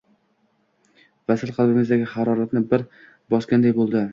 Vasl qalblaridagi haroratni bir oz bosganday bo`ldi